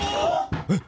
えっ！？